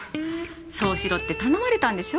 そうしろって頼まれたんでしょ？